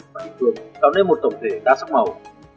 và địa phương tạo nên một tổng thể đa sắc màu